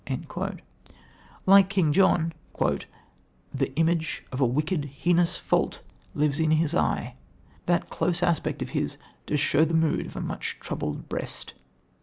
Like King John, "The image of a wicked heinous fault Lives in his eye: that close aspect of his Does show the mood of a much troubled breast."